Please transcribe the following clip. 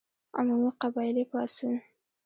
عمومي قبایلي پاڅون.